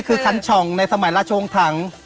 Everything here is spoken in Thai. คือคันช่องในสมัยราชงถัง